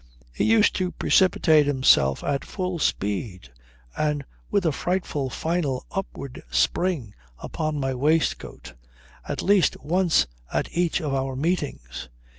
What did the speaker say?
He used to precipitate himself at full speed and with a frightful final upward spring upon my waistcoat, at least once at each of our meetings.